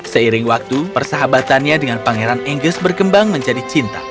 seiring waktu persahabatannya dengan pangaran enggas berkembang menjadi cinta